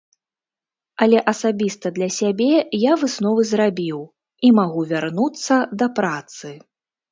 Але асабіста для сябе я высновы зрабіў, і магу вярнуцца да працы.